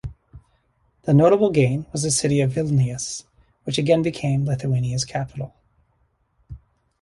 The notable gain was the city of Vilnius, which again became Lithuania's capital.